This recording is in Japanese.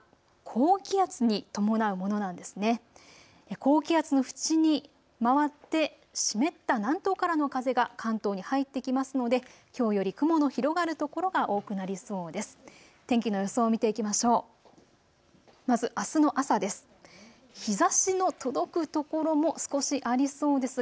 高気圧の縁に回って湿った南東からの風が関東に入ってきますので、きょうより雲の広がる所が多くなりそうです。